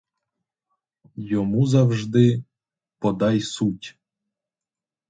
Йому завжди — подай суть.